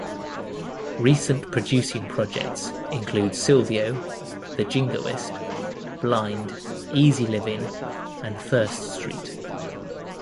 Recent producing projects include "Sylvio", "The Jingoist", "Blind", "Easy Living" and "Thirst Street".